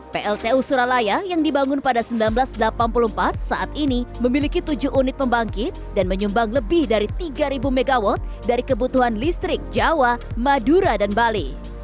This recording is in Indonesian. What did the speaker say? pltu suralaya yang dibangun pada seribu sembilan ratus delapan puluh empat saat ini memiliki tujuh unit pembangkit dan menyumbang lebih dari tiga mw dari kebutuhan listrik jawa madura dan bali